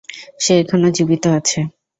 সে এখনও জীবিত আছে।